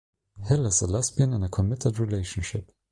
Hill is a lesbian in a committed relationship.